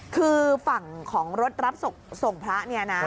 คือฝั่งของรถรับส่งพระเนี่ยนะ